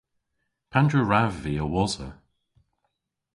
Pandr'a wrav vy a-wosa?